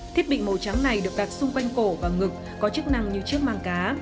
thiết bị màu trắng này được gạt xung quanh cổ và ngực có chức năng như chiếc mang cá